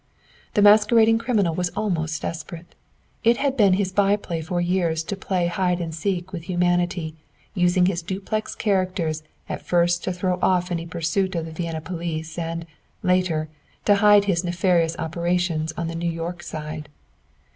The masquerading criminal was almost desperate. It had been his by play for years to play at hide and seek with humanity, using his duplex characters at first to throw off any pursuit of the Vienna police; and, later, to hide his nefarious operations on the New York side.